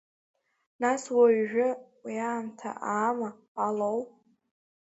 Нас уажәы, уи аамҭа аама, Алоу?